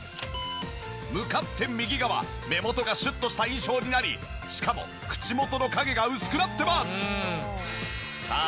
向かって右側目元がシュッとした印象になりしかも口元の影が薄くなってます。